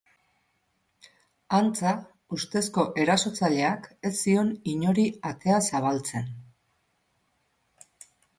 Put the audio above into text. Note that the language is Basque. Antza, ustezko erasotzaileak ez zion inori atea zabaltzen.